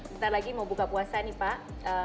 bentar lagi mau buka puasa nih pak